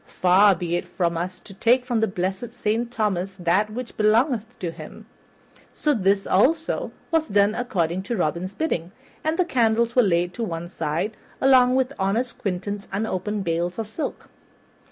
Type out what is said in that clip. Far be it from us to take from the blessed Saint Thomas that which belongeth to him." So this, also, was done according to Robin's bidding, and the candles were laid to one side, along with honest Quentin's unopened bales of silk.